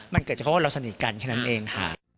มันเกิดเฉพาะเราสนิทกันแค่นั้นเองค่ะ